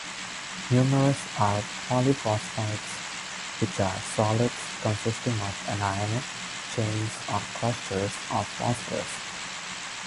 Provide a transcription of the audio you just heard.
Numerous are polyphosphides, which are solids consisting of anionic chains or clusters of phosphorus.